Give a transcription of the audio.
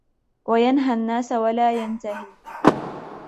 وَيَنْهَى النَّاسَ وَلَا يَنْتَهِي